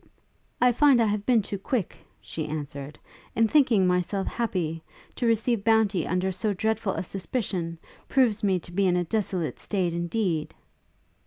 'I find I have been too quick,' she answered, 'in thinking myself happy! to receive bounty under so dreadful a suspicion, proves me to be in a desolate state indeed!'